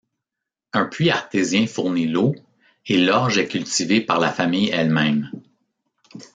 Un puits artésien fournit l'eau et l'orge est cultivée par la famille elle-même.